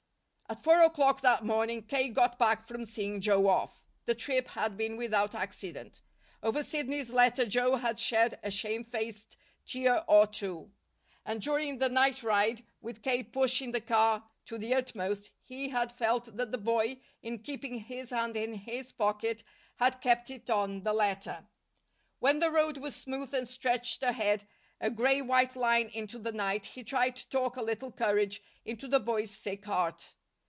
At four o'clock that morning K. got back from seeing Joe off. The trip had been without accident. Over Sidney's letter Joe had shed a shamefaced tear or two. And during the night ride, with K. pushing the car to the utmost, he had felt that the boy, in keeping his hand in his pocket, had kept it on the letter. When the road was smooth and stretched ahead, a gray white line into the night, he tried to talk a little courage into the boy's sick heart.